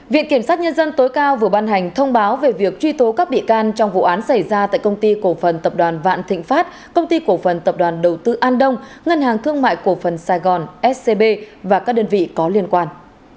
viện kiểm sát nhân dân tối cao vừa ban hành thông báo về việc truy tố các bị can trong vụ án xảy ra tại công ty cổ phần tập đoàn vạn thịnh pháp công ty cổ phần tập đoàn đầu tư an đông ngân hàng thương mại cổ phần sài gòn scb và các đơn vị có liên quan